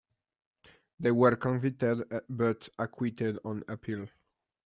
They were convicted, but acquitted on appeal.